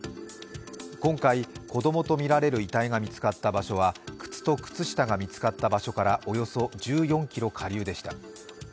今回、子供とみられる遺体が見つかった場所は靴と靴下が見つかった場所からおよそ１４ｋｍ下流でした。